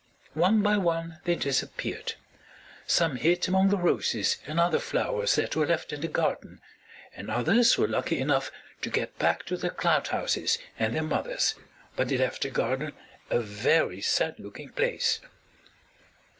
One by one they disappeared. Some hid among the roses and other flowers that were left in the garden, and others were lucky enough to get back to their cloud houses and their mothers, but they left the garden a very sad looking place.